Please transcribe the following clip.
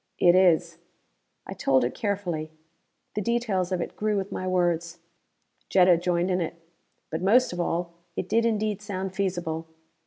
"It is." I told it carefully. The details of it grew with my words. Jetta joined in it. But, most of all, it did indeed sound feasible.